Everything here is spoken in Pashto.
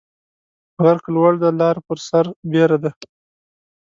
غر که لوړ دى ، لار پر سر بيره ده.